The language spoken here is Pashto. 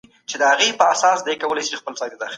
د جرګې د وخت تنظیم څوک کوي؟